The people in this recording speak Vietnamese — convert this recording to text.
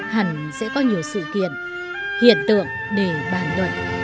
hẳn sẽ có nhiều sự kiện hiện tượng để bàn luận